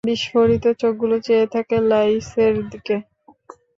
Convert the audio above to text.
বিস্ফোরিত চোখগুলো চেয়ে থাকে লাঈছের দিকে।